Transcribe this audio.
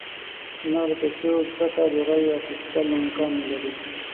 د نغدو پیسو پرته د رایو اخیستل امکان نه لري.